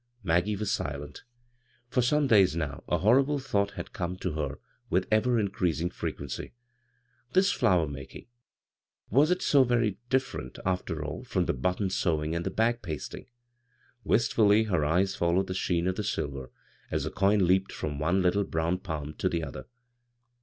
Maggie was silent For some days now a . horrible thought had come to her with ever increasing frequency : this flower making — was it so very different, after all, from the but ton sewing and the bag pasting ? Wistfully her eyes followed the sheen of the silver as the cmn leaped from one little brown palm to the other.